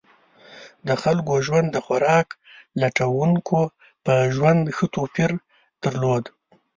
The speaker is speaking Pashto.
د خلکو ژوند د خوراک لټونکو په ژوند ښه توپیر درلود.